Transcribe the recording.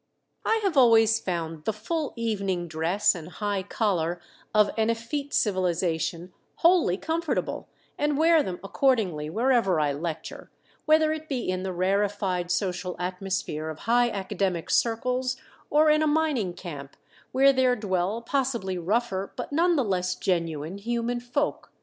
I have always found the full evening dress and high collar of an effete civilization wholly comfortable, and wear them accordingly wherever I lecture, whether it be in the rarefied social atmosphere of high academic circles, or in a mining camp where there dwell possibly rougher, but none the less genuine, human folk.